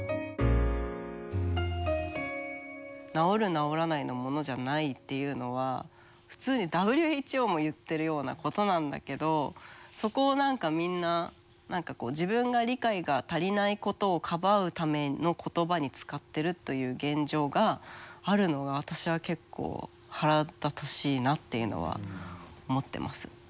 治らないのものじゃないっていうのは普通にＷＨＯも言ってるようなことなんだけどそこをみんな自分が理解が足りないことをかばうための言葉に使ってるという現状があるのが私は結構腹立たしいなっていうのは思ってます。